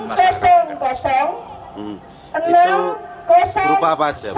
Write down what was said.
jadi larung berupa aja